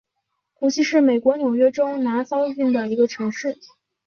谷溪是美国纽约州拿骚郡的一个城市。